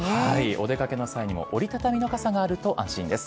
お出掛けの際も折り畳みの傘があると安心です。